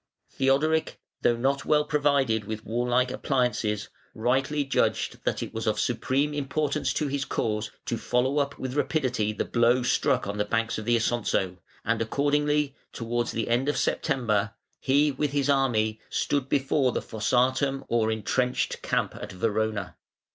Theodoric, though not well provided with warlike appliances, rightly judged that it was of supreme importance to his cause to follow up with rapidity the blow struck on the banks of the Isonzo, and accordingly, towards the end of September, he, with his army, stood before the fossatum or entrenched camp at Verona.